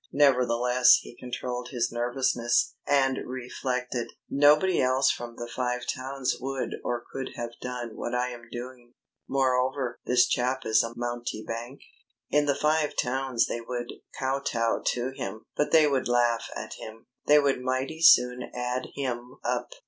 Nevertheless he controlled his nervousness, and reflected: "Nobody else from the Five Towns would or could have done what I am doing. Moreover, this chap is a mountebank. In the Five Towns they would kowtow to him, but they would laugh at him. They would mighty soon add him up.